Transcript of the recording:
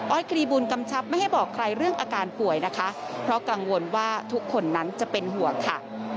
กรีบุญกำชับไม่ให้บอกใครเรื่องอาการป่วยนะคะเพราะกังวลว่าทุกคนนั้นจะเป็นห่วงค่ะ